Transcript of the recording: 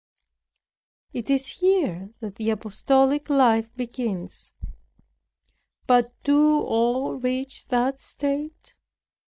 It is here that the apostolic life begins. But do all reach that state?